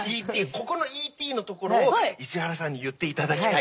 ここのＥ．Ｔ．のところを石原さんに言っていただきたい。